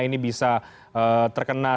ini bisa terkena